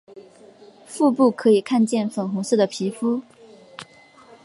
腹部可以看见粉红色的皮肤。